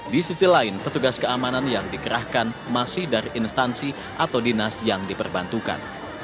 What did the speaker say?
di sisi lain petugas keamanan yang dikerahkan masih dari instansi atau dinas yang diperbantukan